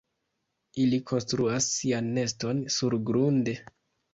Ili konstruas sian neston surgrunde.